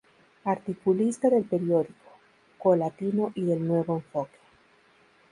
Articulista del periódico "Co Latino" y del "Nuevo Enfoque".